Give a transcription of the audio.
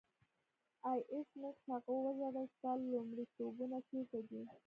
آه ایس میکس هغه وژړل ستا لومړیتوبونه چیرته دي